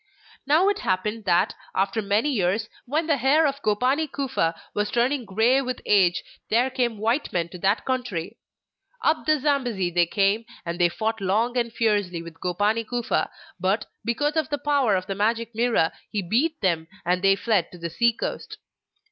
Now it happened that, after many years, when the hair of Gopani Kufa was turning grey with age, there came white men to that country. Up the Zambesi they came, and they fought long and fiercely with Gopani Kufa; but, because of the power of the Magic Mirror, he beat them, and they fled to the sea coast.